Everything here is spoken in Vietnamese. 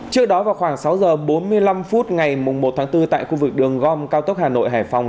trước đó vào khoảng sáu giờ bốn mươi năm phút ngày một tháng bốn tại khu vực đường gom cao tốc hà nội hải phòng